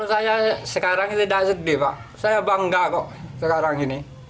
saya bangga kok sekarang ini